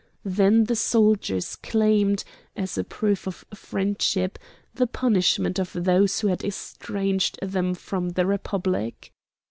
Then the soldiers claimed, as a proof of friendship, the punishment of those who had estranged them from the Republic.